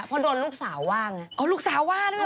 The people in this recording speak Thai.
พอโดนลูกสาวว่างเนี่ยอ๋อลูกสาวว่างด้วยหรอ